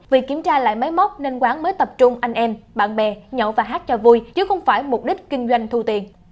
vì kiểm tra lại máy móc nên quán mới tập trung anh em bạn bè nhậu và hát cho vui chứ không phải mục đích kinh doanh thu tiền